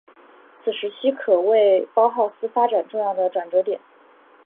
此时期可谓包浩斯发展重要的转捩点。